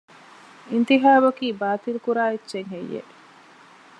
އިންތިޚާބަކީ ބާތިލްކުރާ އެއްޗެއް ހެއްޔެވެ؟